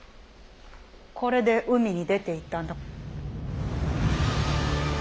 これで海に出ていったんだ。